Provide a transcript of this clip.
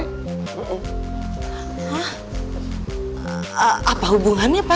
hah apa hubungannya pa